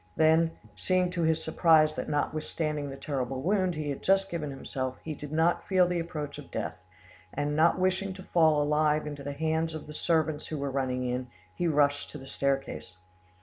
Then, seeing to his surprise that notwithstanding the terrible wound—he had just given himself he did not feel the approach of death, and not wishing to fall alive into the hands of the servants who were running in, he rushed to the staircase.